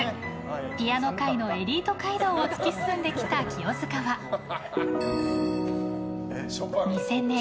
ピアノ界のエリート街道を突き進んできた清塚は２０００年